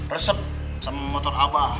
resep sama motor abah